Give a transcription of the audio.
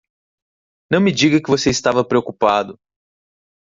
Não me diga que você estava preocupado!